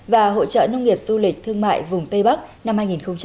và hội trợ nông nghiệp du lịch thương mại vùng tây bắc năm hai nghìn một mươi sáu